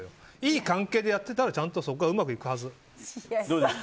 いい関係でやってたらちゃんとそこはうまくいくはず。